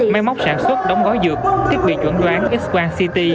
máy móc sản xuất đóng gói dược thiết bị chuẩn đoán x quant ct